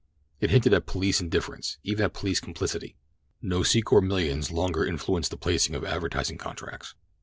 It hinted at police indifference—even at police complicity. No Secor millions longer influenced the placing of advertising contracts.